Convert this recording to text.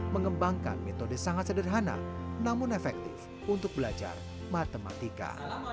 mengembangkan metode sangat sederhana namun efektif untuk belajar matematika